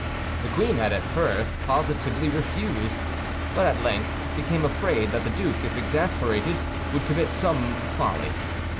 The queen had at first positively refused; but at length became afraid that the duke, if exasperated, would commit some folly.